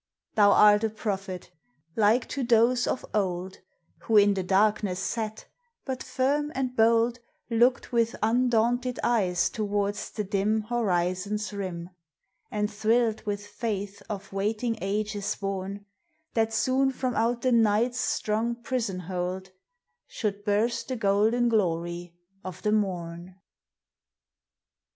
Thou art a prophet, like to those of old, Who in the darkness sat, but firm and bold Looked with undaunted eyes towards the dim Horizon's rim, And thrilled with faith of waiting ages born, That soon from out the Night's strong prisonhold, Should burst the golden glory of the Morn.